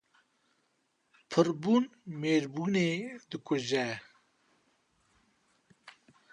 Pirbûn mêrbûnê dikuje